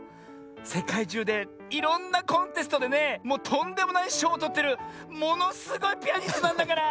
せかいじゅうでいろんなコンテストでねもうとんでもないしょうをとってるものすごいピアニストなんだから！